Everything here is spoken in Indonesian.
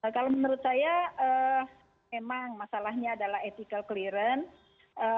kalau menurut saya memang masalahnya adalah ethical clearance